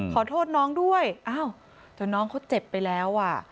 ขอโทษน้องด้วยอ้าวจนน้องเขาเจ็บไปแล้วอ่ะ